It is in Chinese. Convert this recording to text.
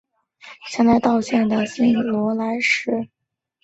在金仁问去新罗的途中遇到前来道歉的新罗来使。